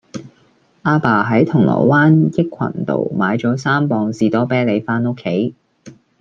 亞爸喺銅鑼灣益群道買左三磅士多啤梨返屋企